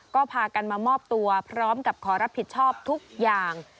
ก็พากันมามอบตัวพร้อมกับขอรับผิดชอบทุกอย่าง